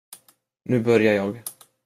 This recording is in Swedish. Nu börjar jag.